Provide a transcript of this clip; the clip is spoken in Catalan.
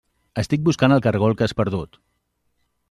Estic buscant el caragol que has perdut.